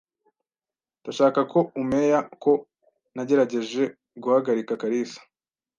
Ndashaka ko umea ko nagerageje guhagarika Kalisa.